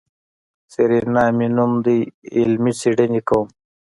سېرېنا مې نوم دی علمي څېړنې کوم.